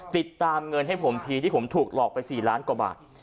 ติดตามเงินให้ผมทีที่ผมถูกหลอกไป๔ล้านกว่าบาท